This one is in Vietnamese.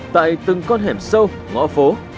tại từng con hẻm sâu ngõ phố